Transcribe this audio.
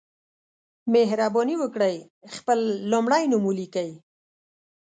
مهرباني وکړئ خپل لمړی نوم ولیکئ